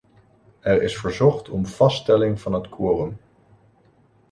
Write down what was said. Er is verzocht om vaststelling van het quorum.